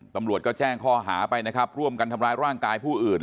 ตำรวจก็แจ้งข้อหาไปนะครับร่วมกันทำร้ายร่างกายผู้อื่น